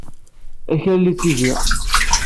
Akal ittezzi.